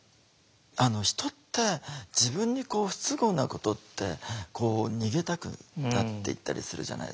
人って自分に不都合なことって逃げたくなっていったりするじゃないですか。